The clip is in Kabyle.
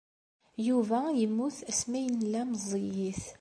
Yuba yemmut asmi ay nella meẓẓiyit.